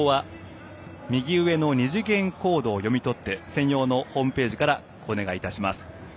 応募は右上の２次元コードを読み込んで専用のホームページからお願いします。